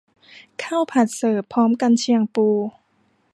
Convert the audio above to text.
ข้าวผัดเสิร์ฟพร้อมกรรเชียงปู